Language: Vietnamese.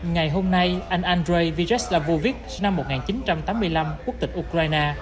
ngày hôm nay anh andrei vyacheslavovic năm một nghìn chín trăm tám mươi năm quốc tịch ukraine